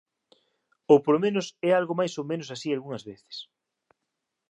Ou polo menos é algo máis ou menos así algunhas veces!